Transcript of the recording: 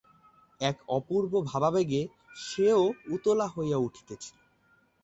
এক অপূর্ব ভাবাবেগে সেও উতলা হইয়া উঠিতেছিল।